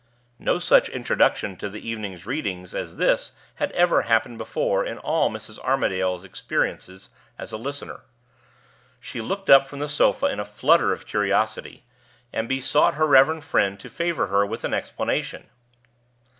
No such introduction to the evening readings as this had ever happened before in all Mrs. Armadale's experience as a listener. She looked up from the sofa in a flutter of curiosity, and besought her reverend friend to favor her with an explanation.